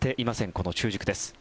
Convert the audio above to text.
この中軸です。